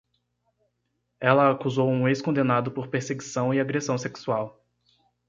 Ela acusou um ex-condenado por perseguição e agressão sexual.